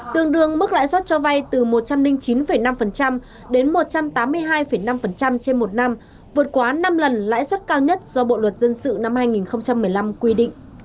tương đương mức lãi suất cho vay từ một trăm linh chín năm đến một trăm tám mươi hai năm trên một năm vượt quá năm lần lãi suất cao nhất do bộ luật dân sự năm hai nghìn một mươi năm quy định